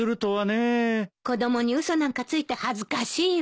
子供に嘘なんかついて恥ずかしいわ。